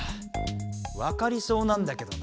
わかりそうなんだけどな。